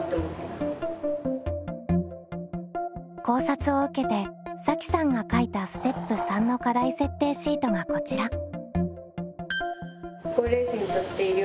考察を受けてさきさんが書いたステップ３の課題設定シートがこちら。